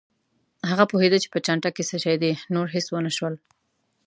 هغه پوهېده چې په چانټه کې څه شي دي، نور هېڅ ونه شول.